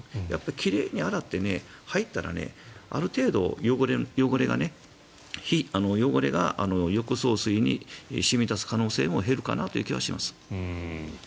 奇麗に洗って入ったらある程度、汚れが浴槽水に染み出す可能性も減るかなという気はします。